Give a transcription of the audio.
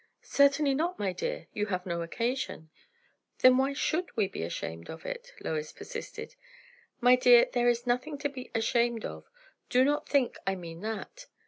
"Certainly not, my dear; you have no occasion." "Then why should we be ashamed of it?" Lois persisted. "My dear, there is nothing to be ashamed of. Do not think I mean that.